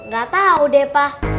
gak tau deh pa